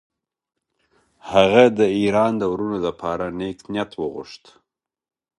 هغه د ایران د وروڼو لپاره نېک نیت وغوښت.